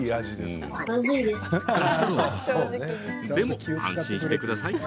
でも安心してください。